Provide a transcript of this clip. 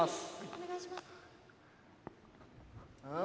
お願いします。